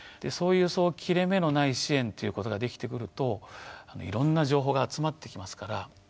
そういう切れ目のない支援ということができてくるといろんな情報が集まってきますから。